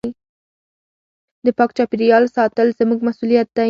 د پاک چاپېریال ساتل زموږ مسؤلیت دی.